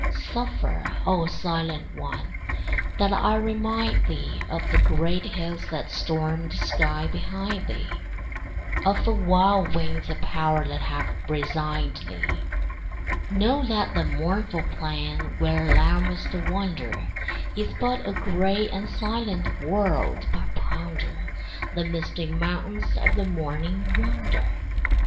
Suffer, O silent one, that I remind thee Of the great hills that stormed the sky behind thee, Of the wild winds of power that have resigned thee. Know that the mournful plain where thou must wander Is but a gray and silent world, but ponder The misty mountains of the morning yonder.